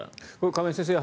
亀井先生